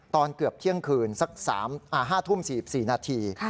ตอนเกือบเที่ยงคืนสัก๕ทุ่ม๔๔นาที